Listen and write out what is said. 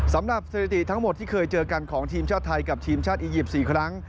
สถิติทั้งหมดที่เคยเจอกันของทีมชาติไทยกับทีมชาติอียิปต์๔ครั้ง